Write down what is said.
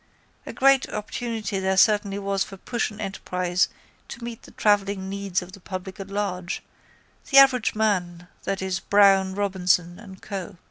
A great opportunity there certainly was for push and enterprise to meet the travelling needs of the public at large, the average man, i.e. Brown, Robinson and Co.